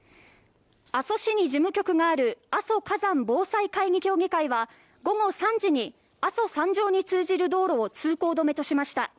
阿蘇市に事務局がある阿蘇火山防災協議会は午後３時に阿蘇山頂に通じる道路を通行止めとしました。